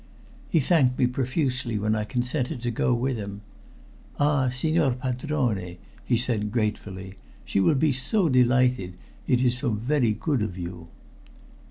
He thanked me profusely when I consented to go with him. "Ah, signor padrone!" he said gratefully, "she will be so delighted. It is so very good of you."